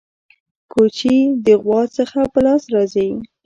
کوچي د غوا څخه په لاس راځي.